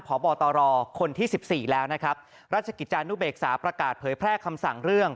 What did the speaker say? พบตรคนที่สิบสี่แล้วนะครับราชกิจจานุเบกษาประกาศเผยแพร่คำสั่งเรื่อง